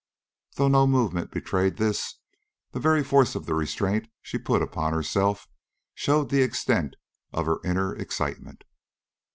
Though no movement betrayed this, the very force of the restraint she put upon herself showed the extent of her inner excitement.